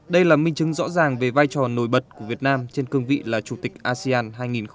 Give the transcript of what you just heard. đây là minh chứng rõ ràng về vai trò nổi bật của việt nam trên cương vị là chủ tịch asean hai nghìn hai mươi